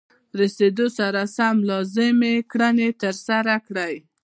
رسیدو سره سم لازمې کړنې ترسره کړئ.